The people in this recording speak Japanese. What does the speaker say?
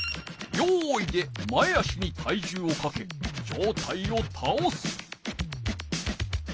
「よい」で前足に体重をかけ上体をたおす。